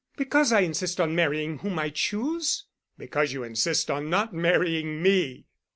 "Because I insist on marrying whom I choose?" "Because you insist on not marrying me."